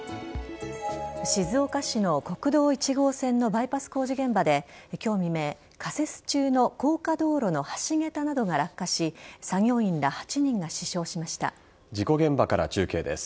静岡市の国道１号線のバイパス工事現場で今日未明、架設中の高架道路の橋げたなどが落下し事故現場から中継です。